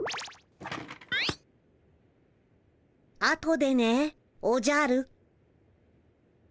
あとでねおじゃる。